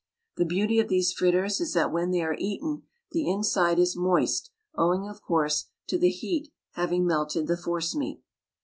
The beauty of these fritters is that when they are eaten the inside is moist, owing, of course, to the heat having melted the forcemeat.